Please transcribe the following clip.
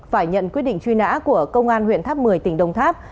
phải nhận quyết định truy nã của công an huyện tháp một mươi tỉnh đồng tháp